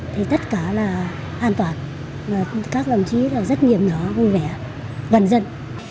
thì tất cả là an toàn các đồng chí rất nghiệp nhỏ vui vẻ gần dân